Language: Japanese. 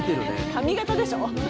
髪形でしょ？